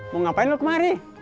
mau ngapain lu kemari